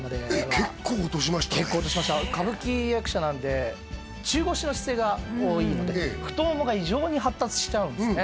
結構落としました歌舞伎役者なんで中腰の姿勢が多いので太ももが異常に発達しちゃうんですね